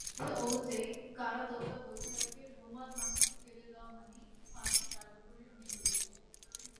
কারাবিধি অনুযায়ী, কারা তত্ত্বাবধায়কের রুমাল মাটিতে ফেলে দেওয়া মানেই ফাঁসি কার্যকরের নির্দেশ।